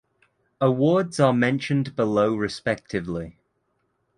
Awards are mentioned below respectively.